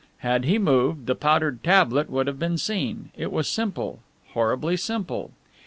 Had he moved, the powdered tablet would have been seen. It was simple horribly simple.